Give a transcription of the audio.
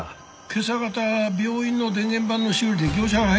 けさ方病院の電源盤の修理で業者が入ってる。